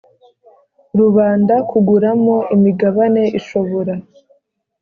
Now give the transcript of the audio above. Rubanda kuguramo imigabane ishobora